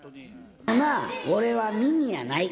なあ、俺はミニやない。